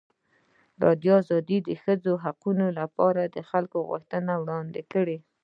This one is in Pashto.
ازادي راډیو د د ښځو حقونه لپاره د خلکو غوښتنې وړاندې کړي.